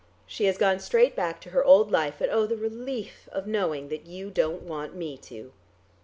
She has gone straight back to her old life, and oh, the relief of knowing that you don't want me to.